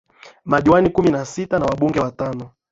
Madiwani kumi na sita na Wabunge watano